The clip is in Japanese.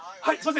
はい。